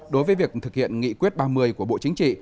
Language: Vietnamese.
đối với việc thực hiện nghị quyết ba mươi của bộ chính trị